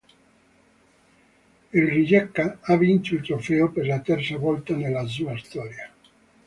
Il Rijeka ha vinto il trofeo per la terza volta nella sua storia.